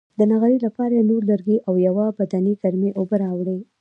د نغري لپاره یې نور لرګي او یوه بدنۍ ګرمې اوبه راوړې.